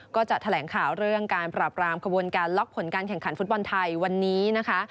ก็จะแถลงข่าวเรื่องการปราบรามขบวนการล็อกผลการแข่งขันฟุตบอลไทยวันนี้นะคะ